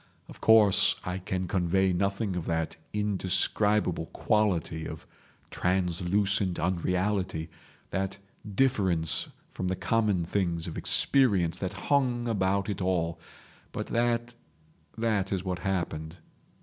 Of course, I can convey nothing of that indescribable quality of translucent unreality, that difference from the common things of experience that hung about it all; but that—that is what happened.